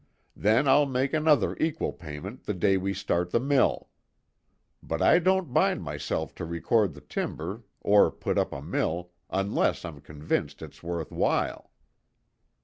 "Then I'll make another equal payment the day we start the mill. But I don't bind myself to record the timber or put up a mill, unless I'm convinced it's worth while."